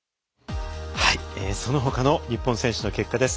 そのほかの日本選手の結果です。